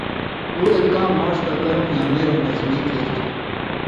اُو ایک کام ماݜ لا کرؤں یا نېرؤں لازمی کیر تُھو